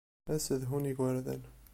Ad ssedhun igerdan.